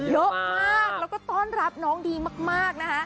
ดูสิเยอะและทราบน้องน้องดีมาก